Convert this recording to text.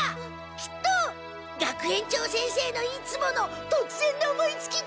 きっと学園長先生のいつものとつぜんの思いつきで。